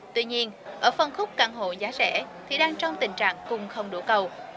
tuy nhiên ở phân khúc căn hộ giá rẻ thì đang trong tình trạng cùng không đủ cầu